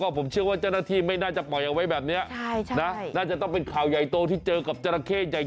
โอ้โหสนุกสนานเล่นน้ำเลย